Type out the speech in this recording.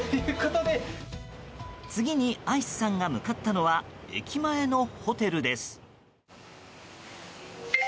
次にアイスさんが向かったのは駅前のホテルです。